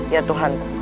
ya tuhan ku